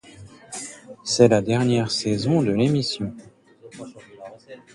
C'est la dernière saison de l'émission.